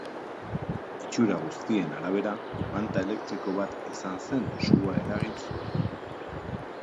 Itxura guztien arabera manta elektriko bat izan zen sua eragin zuena.